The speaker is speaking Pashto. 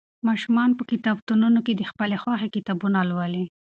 ماشومان په کتابتونونو کې د خپلې خوښې کتابونه لولي.